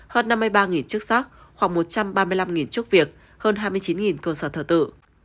hơn năm mươi ba chức sắc khoảng một trăm ba mươi năm chức việc hơn hai mươi chín cơ sở thờ tự